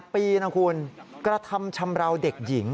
ปีนะคุณกระทำชำราวเด็กหญิง